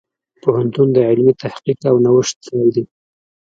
پوهنتون د علمي تحقیق او نوښت ځای دی.